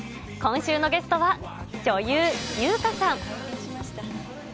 今週のゲストは、女優、優香さん。